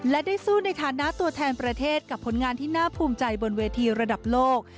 และได้สู้ในฐานะตัวแทนประเทศกับผลงานที่น่าภูมิใจบนเวทีระดับโลก